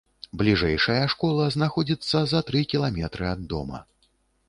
Бліжэйшая школа знаходзіцца за тры кіламетры ад дома.